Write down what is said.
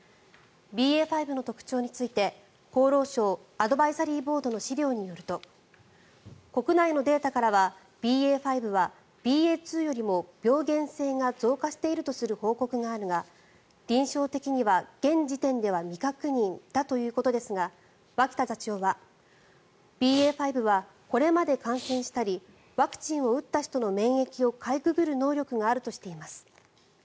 ＢＡ．５の特徴について厚労省アドバイザリーボードの資料によると国内のデータからはＢＡ．５はＢＡ．２よりも病原性が増加しているとする報告があるが臨床的には現時点では未確認だということですが脇田座長はＢＡ．５はこれまで感染したりワクチンを打った人の免疫をかいくぐる能力があるとしています。